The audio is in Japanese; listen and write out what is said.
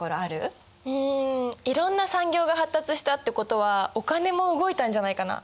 うんいろんな産業が発達したってことはお金も動いたんじゃないかな。